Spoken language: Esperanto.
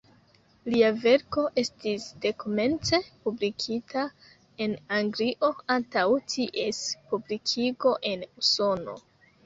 Lia verko estis dekomence publikita en Anglio antaŭ ties publikigo en Usono.